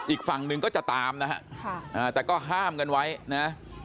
อีกฝั่งหนึ่งก็จะตามนะฮะแต่ก็ห้ามกันไว้นะ